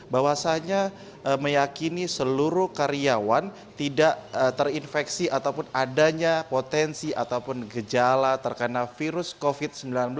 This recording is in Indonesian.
bahwasannya meyakini seluruh karyawan tidak terinfeksi ataupun adanya potensi ataupun gejala terkena virus covid sembilan belas